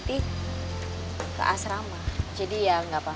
biar mas yang bawah